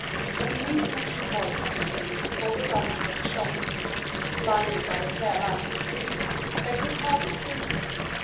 But Denise and the two boys hesitated before the darkness of the shop. Blinded by the clear light of the street, they could hardly see.